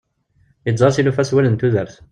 Yeẓẓar tilufa s wallen n tudert.